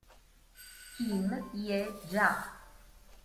Kim Hye-ja